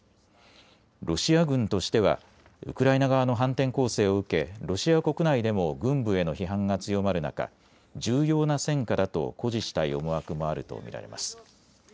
ロシア軍としてはウクライナ側の反転攻勢を受けロシア国内でも軍部への批判が強まる中、重要な戦果だと誇示したい思惑もあると見られます。